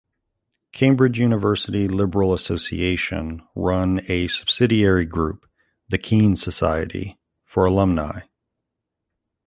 Cambridge University Liberal Association run a subsidiary group, the Keynes Society, for alumni.